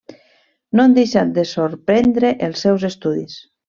No han deixat de sorprendre els seus estudis.